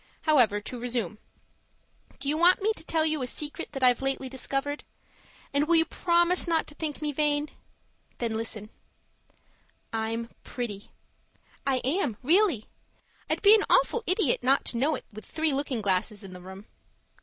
However, to resume. Do you want me to tell you a secret that I've lately discovered? And will you promise not to think me vain? Then listen: I'm pretty. I am, really. I'd be an awful idiot not to know it with three looking glasses in the room.